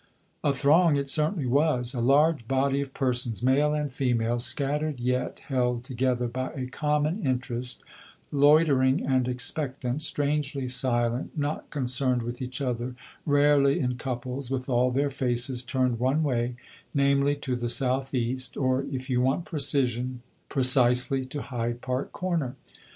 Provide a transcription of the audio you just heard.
A throng it certainly was, a large body of persons, male and female, scattered yet held together by a common interest, loitering and expectant, strangely silent, not concerned with each other, rarely in couples, with all their faces turned one way namely, to the south east, or (if you want precision) precisely to Hyde Park Corner.